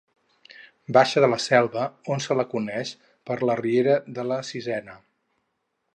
Baixa de La Selva, on se la coneix per la Riera de la Sisena.